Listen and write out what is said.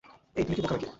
এই, তুমি কি বোকা নাকি?